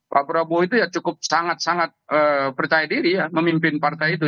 pak prabowo itu ya cukup sangat sangat percaya diri ya memimpin partai itu